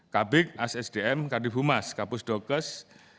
kabik assdm kadif humas kapus dokes